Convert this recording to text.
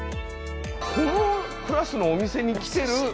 このクラスのお店に来てる。